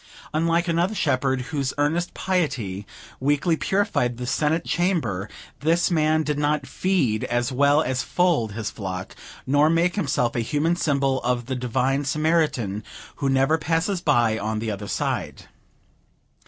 Unlike another Shepherd, whose earnest piety weekly purified the Senate Chamber, this man did not feed as well as fold his flock, nor make himself a human symbol of the Divine Samaritan, who never passes by on the other side.